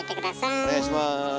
お願いします。